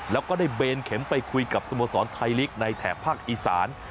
แล้วก็ได้เบนเข็มไปคุยกับสโมสรไทยลีกในแถบภาคอีสาน